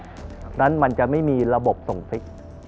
ดังนั้นมันจะไม่มีระบบส่งฟิก